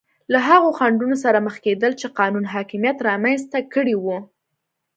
له هغو خنډونو سره مخ کېدل چې قانون حاکمیت رامنځته کړي وو.